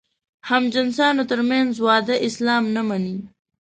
همجنسانو تر منځ واده اسلام نه مني.